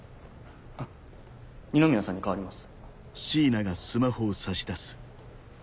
あっ二宮さんに代わります。